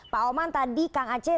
pak oman tadi kang aceh